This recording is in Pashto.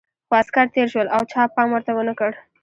خو عسکر تېر شول او چا پام ورته ونه کړ.